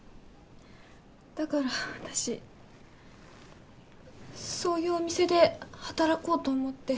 だから私そういうお店で働こうと思って。